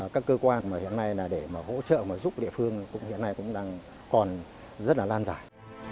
các cơ quan mà hiện nay là để mà hỗ trợ mà giúp địa phương hiện nay cũng đang còn rất là lan giải